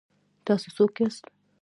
تاسو څوک یاست؟